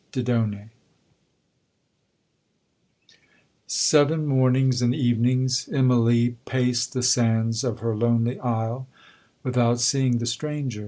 DIDONE 'Seven mornings and evenings Immalee paced the sands of her lonely isle, without seeing the stranger.